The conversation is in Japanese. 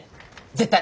絶対！